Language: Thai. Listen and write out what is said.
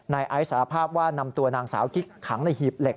ไอซ์สารภาพว่านำตัวนางสาวกิ๊กขังในหีบเหล็